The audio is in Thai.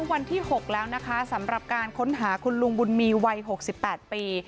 วันที่๖แล้วนะคะสำหรับการค้นหาคุณลุงบุญมีวัย๖๘ปี